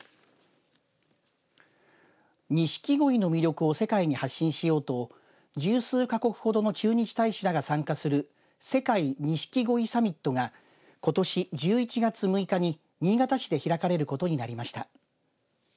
ニシキゴイの魅力を世界に発信しようと１０数か国をほどの駐日大使らが参加する世界錦鯉サミットがことし１１月６日に新潟市で開かれることになりました。